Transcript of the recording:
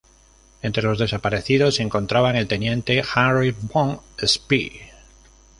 Entre los desaparecidos se encontraba el teniente Heinrich von Spee.